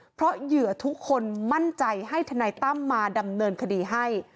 เพราะเหยื่อทุกคนมั่นใจให้ทนายตั้มมาดำเนินคดีให้